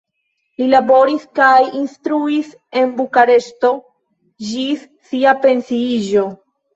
Li laboris kaj instruis en Bukareŝto ĝis sia pensiiĝo.